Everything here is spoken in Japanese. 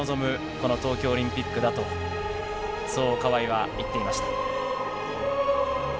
この東京オリンピックだと、そう川井は言っていました。